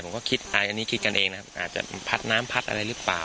ผมก็คิดอายอันนี้คิดกันเองนะครับอาจจะพัดน้ำพัดอะไรหรือเปล่า